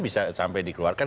bisa sampai dikeluarkan